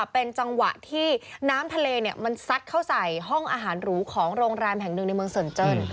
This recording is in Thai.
เป็นจังหวะที่น้ำทะเลมันซัดเข้าใส่ห้องอาหารหรูของโรงแรมแห่งหนึ่งในเมืองเซินเจิ้น